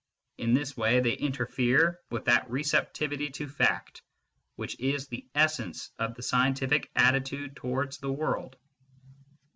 In this way they interfere with that receptivity to fact which is the essence of the scientific attitude towards the world.